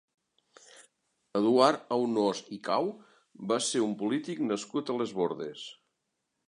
Eduard Aunós i Cau va ser un polític nascut a Les Bordes.